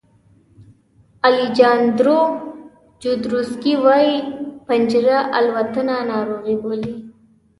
الیجاندرو جودروسکي وایي پنجره الوتنه ناروغي بولي.